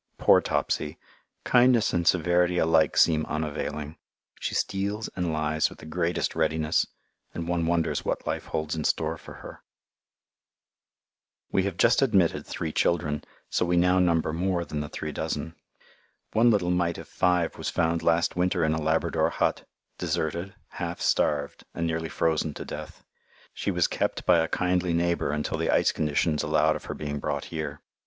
Poor Topsy, kindness and severity alike seem unavailing. She steals and lies with the greatest readiness, and one wonders what life holds in store for her. [Illustration: TOPSY WAS CREEPING FROM BED TO BED WITH THE CARVING KNIFE] We have just admitted three children, so we now number more than the three dozen. One little mite of five was found last winter in a Labrador hut, deserted, half starved, and nearly frozen to death. She was kept by a kindly neighbour until the ice conditions allowed of her being brought here.